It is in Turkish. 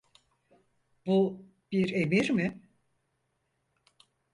Bu bir emir mi?